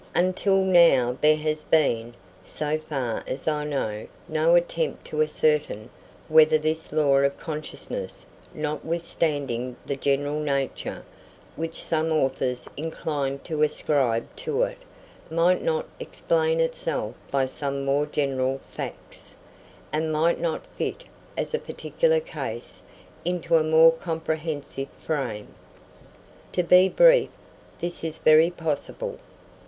Until now there has been, so far as I know, no attempt to ascertain whether this law of consciousness, notwithstanding the general nature which some authors incline to ascribe to it, might not explain itself by some more general facts, and might not fit, as a particular case, into a more comprehensive frame. To be brief, this is very possible.